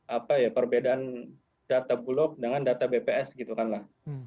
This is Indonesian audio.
apa ya perbedaan data bulog dengan data bps gitu kan lah